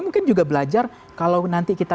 mungkin juga belajar kalau nanti kita